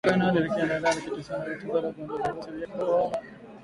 huku eneo hilo likiendelea kutikiswa na tatizo la ugonjwa wa virusi vya korona